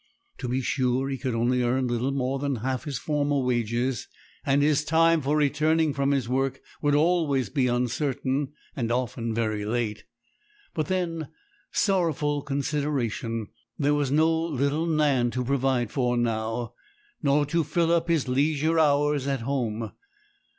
To be sure, he could only earn little more than half his former wages, and his time for returning from his work would always be uncertain, and often very late. But then, sorrowful consideration! there was no little Nan to provide for now, nor to fill up his leisure hours at home.